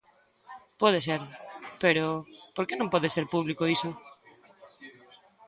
Pode ser, pero, ¿por que non pode ser público iso?